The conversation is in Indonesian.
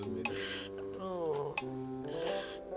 udah minta ya